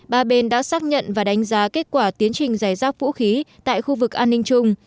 ba bên đã xác nhận và đánh giá kết quả tiến trình giải rác vũ khí tại khu vực an ninh chung